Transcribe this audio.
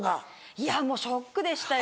いやもうショックでしたよ。